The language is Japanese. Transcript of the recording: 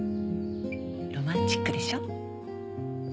ロマンチックでしょ？